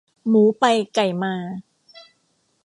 หมูไปไก่มา